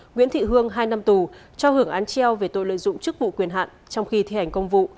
nguyễn thị hương hai năm tù cho hưởng án treo về tội lợi dụng chức vụ quyền hạn trong khi thi hành công vụ